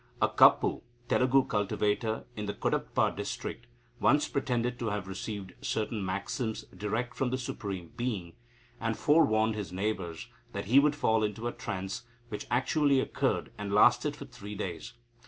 A Kapu (Telugu cultivator) in the Cuddapah district once pretended to have received certain maxims direct from the Supreme Being, and forewarned his neighbours that he would fall into a trance, which actually occurred, and lasted for three days.